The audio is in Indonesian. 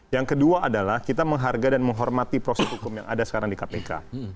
yang kedua adalah kita menghargai dan menghormati proses hukum yang ada sekarang di kpk